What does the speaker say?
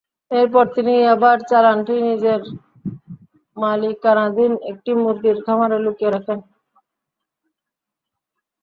এরপর তিনি ইয়াবার চালানটি নিজের মালিকানাধীন একটি মুরগির খামারে লুকিয়ে রাখেন।